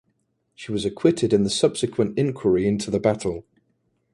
He was acquitted in the subsequent inquiry into the battle.